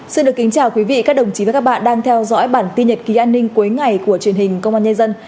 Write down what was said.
chào mừng quý vị đến với bản tin nhật ký an ninh cuối ngày của truyền hình công an nhân dân